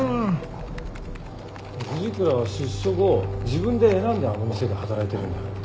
藤倉は出所後自分で選んであの店で働いてるんだよ。